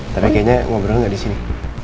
tapi kayaknya ngobrol nggak di sini